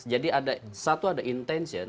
jadi satu ada intention